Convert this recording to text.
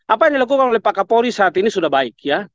apa yang dilakukan oleh pak kapolri saat ini sudah baik ya